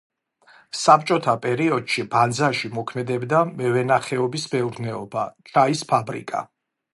საბჭოთა პერიოდში ბანძაში მოქმედებდა მევენახეობის მეურნეობა, ჩაის ფაბრიკა.